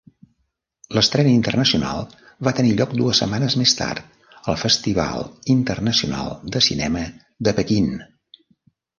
L'estrena internacional va tenir lloc dues setmanes més tard al Festival Internacional de Cinema de Pequín.